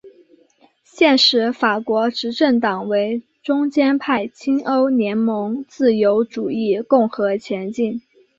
现时法国执政党为中间派亲欧盟自由主义共和前进！